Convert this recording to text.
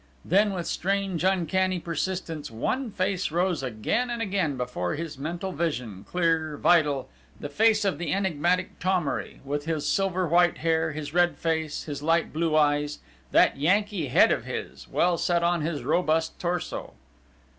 Then with strange, uncanny persistence, one face rose again and again before his mental vision, clear, vital the face of the enigmatic Thomery, with his silver white hair, his red face, his light blue eyes, that Yankee head of his, well set on his robust torso....